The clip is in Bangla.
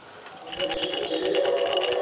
তোমার সয়ে যাবে।